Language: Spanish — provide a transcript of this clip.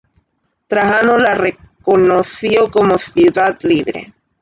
Trajano la reconoció como ciudad libre.